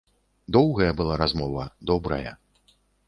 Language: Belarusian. Доўгая была размова, добрая.